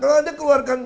kalau anda keluarkan